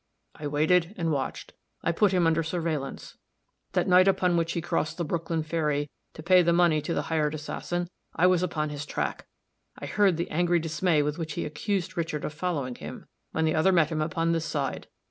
I waited and watched I put him under surveillance. That night upon which he crossed the Brooklyn ferry to pay the money to the hired assassin, I was upon his track; I heard the angry dismay with which he accused Richard of following him, when the other met him upon this side.